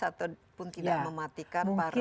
ataupun tidak mematikan para